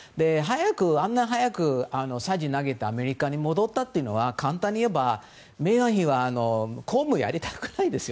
あんなに早くさじを投げたアメリカに戻ったというのは簡単にいえば、メーガン妃は公務をやりたくないんですよ。